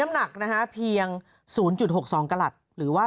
อ่าหลายพันปีพี่ไม่ได้แล้วมันหรือว่า